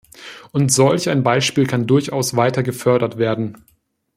Und solch ein Beispiel kann durchaus weiter gefördert werden.